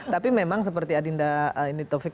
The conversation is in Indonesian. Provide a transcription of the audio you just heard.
tapi memang seperti adinda ini taufik